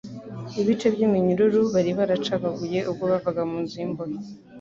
Ibice by'iminyururu bari baracagaguye ubwo bavaga mu nzu y'imbohe